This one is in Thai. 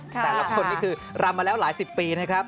แต่ละคนนี่คือรำมาแล้วหลายสิบปีนะครับ